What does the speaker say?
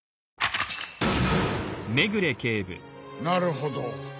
なるほど。